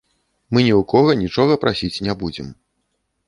Мы ні ў кога нічога прасіць не будзем.